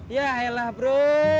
yah elah bro